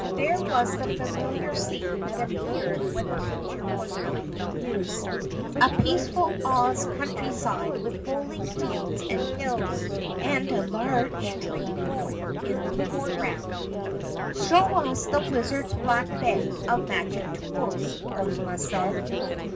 There was the familiar scene that appeared when the Picture was not in use a peaceful Oz countryside with rolling fields and hills and a large tree growing in the foreground. "Show us the Wizard's Black Bag of Magic Tools," Ozma said.